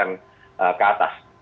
baru kemudian kita bisa membedah